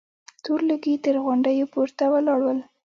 تور لوګي تر غونډيو پورته ولاړ ول.